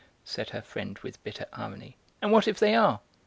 said her friend, with bitter irony. "And what if they are?"